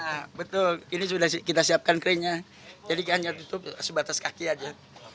iya betul ini sudah kita siapkan krennya jadi kayaknya ditutup sebatas kaki aja